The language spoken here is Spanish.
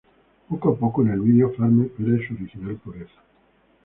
Poco a poco en el vídeo, Farmer pierde su original pureza.